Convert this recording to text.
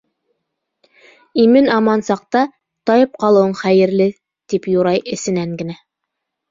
«Имен-аман саҡта тайып ҡалыуың хәйерле» тип юрай эсенән генә.